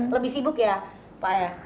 lebih sibuk ya pak